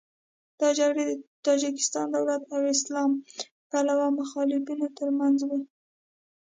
دا جګړې د تاجکستان دولت او اسلام پلوه مخالفینو تر منځ وې.